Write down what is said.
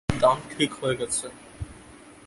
দাম ঠিক হয়ে গেছে।